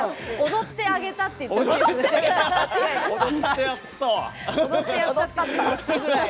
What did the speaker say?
踊ってあげたっていってほしい。